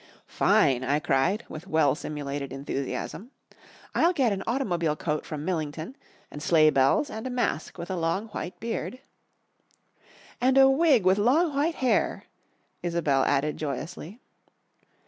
"Fine!" I cried with well simulated enthusiasm. "I'll get an automobile coat from Millington, and sleigh bells and a mask with a long white beard " "And a wig with long white hair," Isobel added joyously.